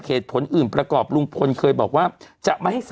กรมป้องกันแล้วก็บรรเทาสาธารณภัยนะคะ